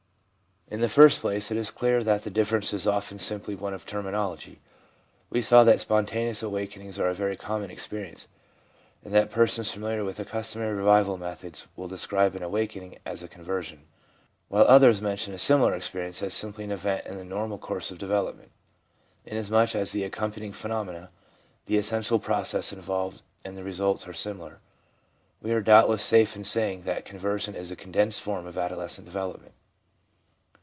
In the first place, it is clear that the difference is often simply one of terminology. We saw that spontaneous awaken ings are a very common experience, and that persons familiar with the customary revival methods will describe an awakening as a conversion, while others mention a similar experience as simply an event in the normal course of development. Inasmuch as the accompanying phenomena, the essential processes involved, and the results are similar, we are doubtless safe in saying that conversion is a condensed form of adolescentdevelopment.